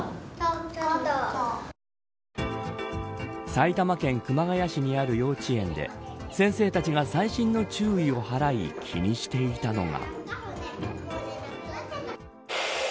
埼玉県熊谷市にある幼稚園で先生たちが細心の注意を払い気にしていたのが。